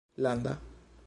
landa